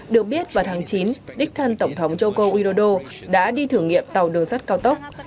được biết vào tháng chín đích thân tổng thống joko widodo đã đi thử nghiệm tàu đường sắt cao tốc